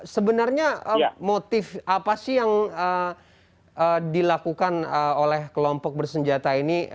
sebenarnya motif apa sih yang dilakukan oleh kelompok bersenjata ini